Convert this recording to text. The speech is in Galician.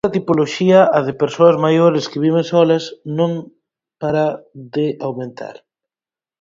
Esta tipoloxía, a de persoas maiores que viven solas, non para de aumentar.